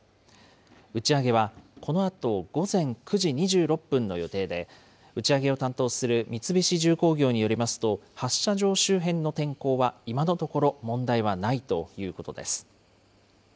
打ち上げは、このあと午前９時２６分の予定で、打ち上げを担当する三菱重工業によりますと、発射場周辺の天候は今のところ問題はないということです。